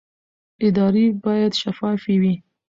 ادارې باید شفافې وي